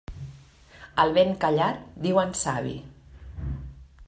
Al ben callat diuen savi.